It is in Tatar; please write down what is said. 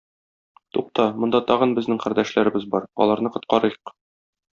Тукта, монда тагын безнең кардәшләребез бар, аларны коткарыйк.